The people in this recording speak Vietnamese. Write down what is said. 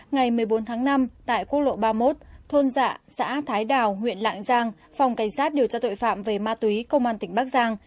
ngày một mươi bốn tháng năm tại quốc lộ ba mươi một thôn dạ xã thái đào huyện lạng giang phòng cảnh sát điều tra tội phạm về ma túy công an tỉnh bắc giang